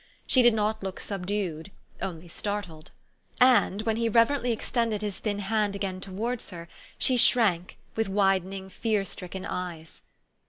She did not look subdued, only startled. And, when he reverently extended his thin hand again towards her, she shrank, with widening, fear stricken eyes.